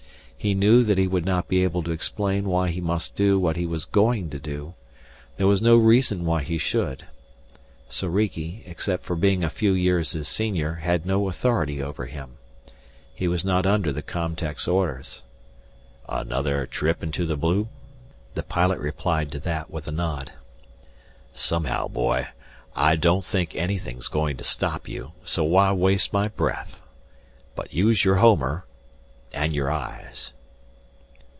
He knew that he would not be able to explain why he must do what he was going to do. There was no reason why he should. Soriki, except for being a few years his senior, had no authority over him. He was not under the com tech's orders. "Another trip into the blue?" The pilot replied to that with a nod. "Somehow, boy, I don't think anything's going to stop you, so why waste my breath? But use your homer and your eyes!"